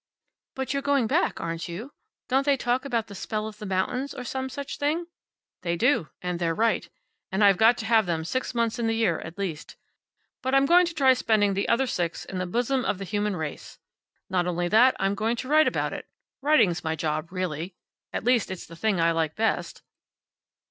"But you're going back, aren't you? Don't they talk about the spell of the mountains, or some such thing?" "They do. And they're right. And I've got to have them six months in the year, at least. But I'm going to try spending the other six in the bosom of the human race. Not only that, I'm going to write about it. Writing's my job, really. At least, it's the thing I like best."